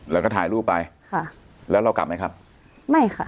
แล้วก็ถ่ายรูปไปค่ะแล้วเรากลับไหมครับไม่ค่ะ